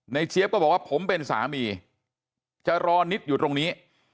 เจี๊ยบก็บอกว่าผมเป็นสามีจะรอนิดอยู่ตรงนี้